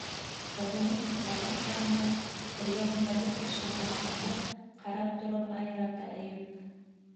Ҡыҙының йоҡлаған сағында, эргәһендә бер кеше булмағанда ҡарап торорға ярата Әйүп.